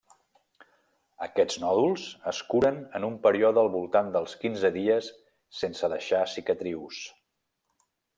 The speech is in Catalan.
Aquests nòduls es curen en un període al voltant dels quinze dies sense deixar cicatrius.